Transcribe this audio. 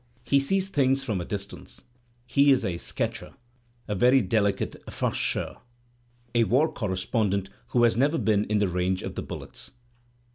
He sees things from a distance; he is a sketcher, a very delicate farceur, a war correspondent who has never been^ in range of the bullets.